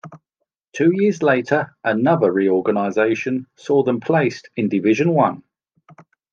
Two years later another reorganisation saw them placed in Division One.